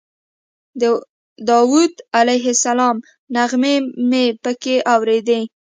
د داود علیه السلام نغمې مې په کې اورېدې.